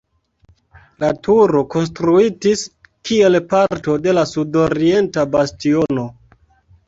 La turo konstruitis kiel parto de la sudorienta bastiono.